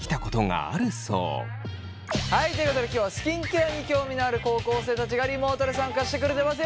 はいということで今日はスキンケアに興味のある高校生たちがリモートで参加してくれてます。